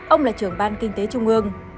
ông là trưởng ban kinh tế trung ương